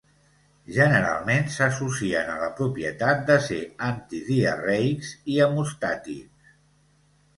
Generalment s'associen a la propietat de ser antidiarreics i hemostàtics.